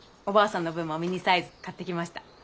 おばあさんの分もミニサイズ買ってきました。